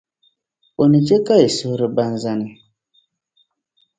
o ni chɛ ka yi suhuri ba n-zani.